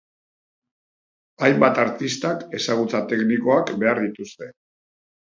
Hainbat artistak ezagutza teknikoak behar dituzte.